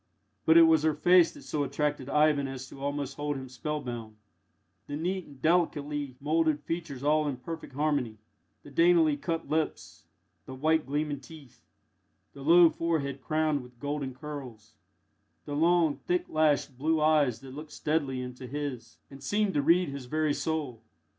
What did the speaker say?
But it was her face that so attracted Ivan as to almost hold him spellbound the neat and delicately moulded features all in perfect harmony; the daintily cut lips; the white gleaming teeth; the low forehead crowned with golden curls; the long, thick lashed, blue eyes that looked steadily into his, and seemed to read his very soul.